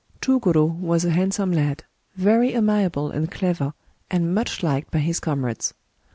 Chugoro was a handsome lad, very amiable and clever, and much liked by his comrades.